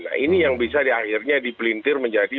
nah ini yang bisa akhirnya dipelintir menjadi